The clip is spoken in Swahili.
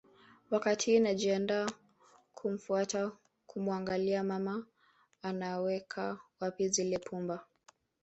Wakatiii najiandaa kumfuata kumuangalia mama anaweka wapi zile pumba